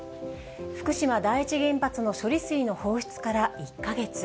福島第一原発の処理水の放出から１か月。